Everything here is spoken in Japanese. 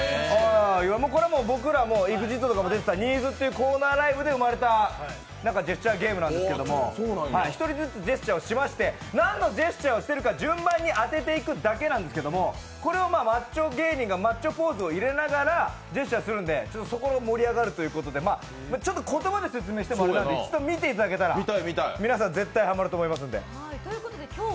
僕らもＥＸＩＴも出てたニーズっていうコーナーゲームで生まれたジェスチャーゲームなんですけれども、１人ずつジェスチャーをしまして、何のジェスチャーをしてるか順番に当てていくだけなんですけども、これをマッチョ芸人がマッチョポーズを入れながらジェスチャーするのでそこが盛り上がるとういうことでちょっと言葉で説明してもあれなんで、一度、見ていただければ皆さん、絶対にハマると思うんで。